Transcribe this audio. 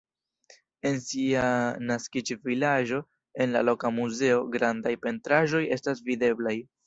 En sia naskiĝvilaĝo en la loka muzeo grandaj pentraĵoj estas videblaj.